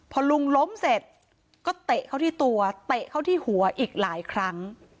พอลุงล้มเสร็จก็เตะเข้าที่ตัวเตะเข้าที่หัวอีกหลายครั้ง